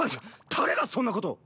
誰がそんなこと！